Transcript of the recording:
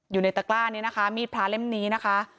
อยู่ในตะกล้านี้นะคะมีดพระเล่มนี้นะคะ